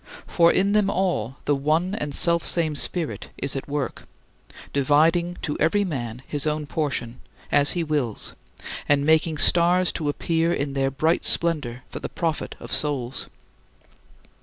For in them all the one and selfsame Spirit is at work, dividing to every man his own portion, as He wills, and making stars to appear in their bright splendor for the profit of souls.